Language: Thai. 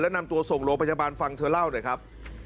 นำตัวส่งโรงพยาบาลฟังเธอเล่าหน่อยครับ